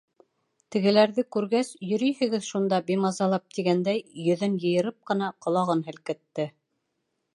Тегеләрҙе күргәс, йөрөйһөгөҙ шунда, бимазалап тигәндәй, йөҙөн йыйырып ҡына, ҡолағын һелкетте.